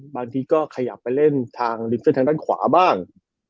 บางทีก็ขยับไปเล่นทางริมเส้นทางด้านขวาบ้าง